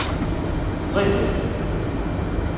Ẓidet.